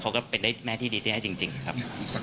เขาก็เป็นแม่ได้ดีได้จริงครับ